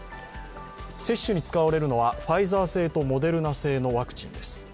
接種に使われるのは、ファイザー製とモデルナ製のワクチンです。